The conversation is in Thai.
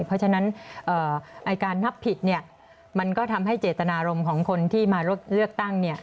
เพราะฉะนั้นการนับผิดเนี่ยมันก็ทำให้เจตนารมณ์ของคนที่มาเลือกตั้ง